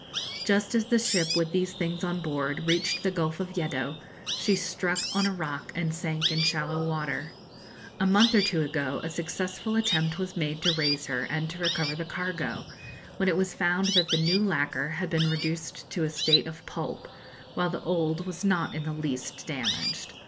Just as the ship with these things on board reached the Gulf of Yeddo, she struck on a rock and sank in shallow water. A month or two ago a successful attempt was made to raise her, and to recover the cargo, when it was found that the new lacquer had been reduced to a state of pulp, while the old was not in the least damaged.